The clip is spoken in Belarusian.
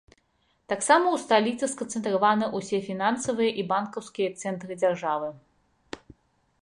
Таксама ў сталіцы сканцэнтраваны ўсе фінансавыя і банкаўскія цэнтры дзяржавы.